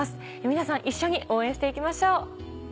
皆さん一緒に応援して行きましょう。